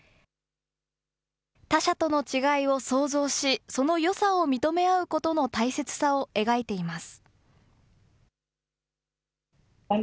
他者との違いを想像し、そのよさを認め合うことの大切さを描いています。